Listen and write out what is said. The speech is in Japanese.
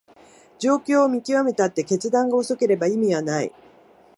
状況を見極めたって決断が遅ければ意味はない